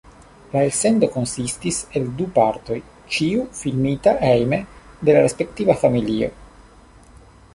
La elsendo konsistis el du partoj, ĉiu filmita hejme de la respektiva familio.